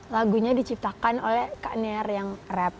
lagunya diciptakan oleh kak near yang rap